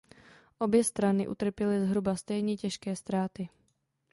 Obě strany utrpěly zhruba stejně těžké ztráty.